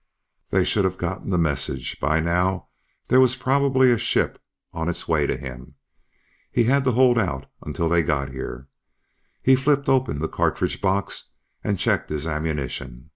They should have gotten the message. By now, there was probably a ship on its way to him. He had to hold out until they got here. He flipped open the cartridge box and checked his ammunition.